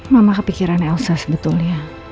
mama kepikiran elsa sebetulnya